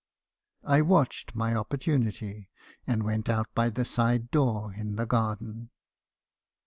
"I watched my opportunity, and went out by the side door in the garden."